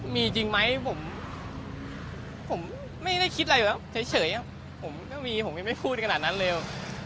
มีจริงไหมผมไม่ได้คิดอะไรอยู่แล้วเฉยผมไม่พูดกันหนังนั้นเลย